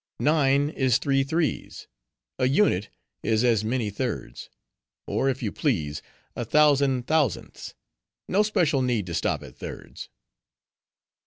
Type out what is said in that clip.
Nine is three threes; a unit is as many thirds; or, if you please, a thousand thousandths; no special need to stop at thirds."